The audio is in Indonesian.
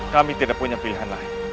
kami tidak punya pilihan lain